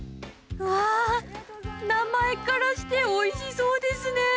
うわー、名前からしておいしそうですね。